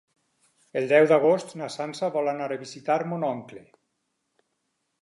El deu d'agost na Sança vol anar a visitar mon oncle.